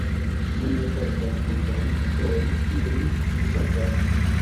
Mi ne portas multajn aferojn, kiujn mi ŝatas.